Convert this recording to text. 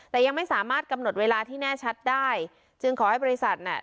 แต่ยังไม่สามารถกำหนดเวลาที่แน่ชัดได้จึงขอให้บริษัทน่ะ